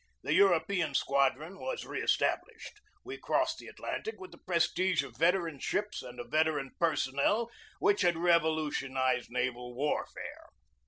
The European Squadron was re established. We crossed the At lantic with the prestige of veteran ships and a veteran personnel which had revolutionized naval warfare.